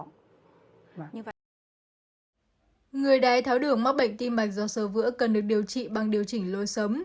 người đái tháo đường mắc bệnh tim mạch do sơ vữa cần được điều trị bằng điều chỉnh lối sống